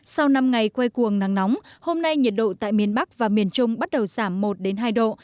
sau năm ngày quay cuồng nắng nóng hôm nay nhiệt độ tại miền bắc và miền trung bắt đầu giảm một hai độ